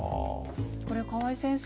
これ河合先生